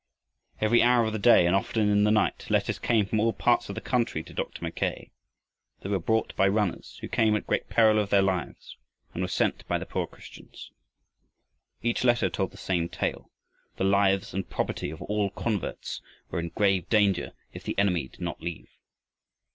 Every hour of the day and often in the night, letters came from all parts of the country to Dr. Mackay. They were brought by runners who came at great peril of their lives, and were sent by the poor Christians. Each letter told the same tale; the lives and property of all the converts were in grave danger if the enemy did not leave.